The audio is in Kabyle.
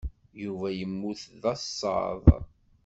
Yuba yemmut d asaḍ.